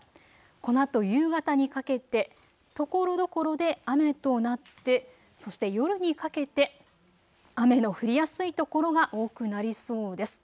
このあと夕方にかけてところどころで雨となってそして夜にかけて雨の降りやすい所が多くなりそうです。